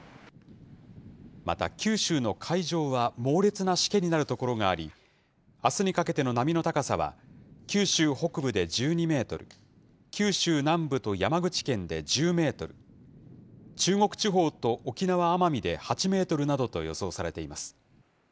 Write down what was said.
また九州の海上は猛烈なしけになる所があり、あすにかけての波の高さは、九州北部で１２メートル、九州南部と山口県で１０メートル、中国地方と沖縄・奄美で８メートルなどと予想されています。